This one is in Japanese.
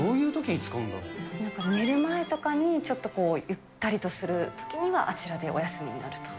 なんか、寝る前とかに、ちょっとゆったりとするときにはあちらでお休みになると。